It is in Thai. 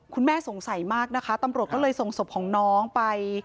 คุณแม่สงสัยมากนะคะตำรวจก็เลยส่งศพของน้องไป